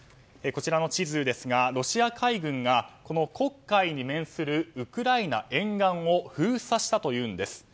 こちらの地図ですがロシア海軍が黒海に面するウクライナ沿岸を封鎖したというんです。